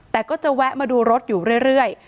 แต่ก็จะแวะมาดูรถอยู่เรื่อย